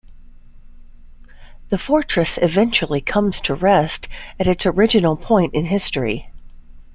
The fortress eventually comes to rest at its original point in history.